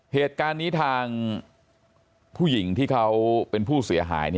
เหตุการณ์นี้ทางผู้หญิงที่เขาเป็นผู้เสียหาย